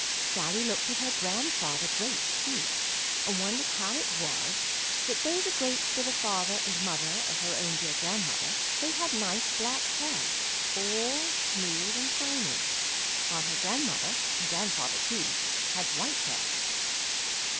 Sallie looked at her Grandfather Great, too, and wondered how it was that, though the Greats were the father and mother of her own dear grandmother, they had nice black hair, all smooth and shiny, while her grandmother and grandfather, too, had white hair.